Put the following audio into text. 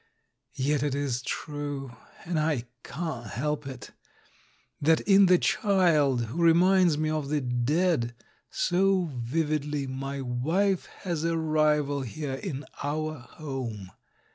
Yet it is true — and I can't help it — that in the child who reminds me of the dead so vividly my wife has a rival here in our home.